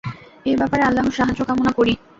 এ ব্যাপারে আল্লাহর সাহায্য কামনা করি।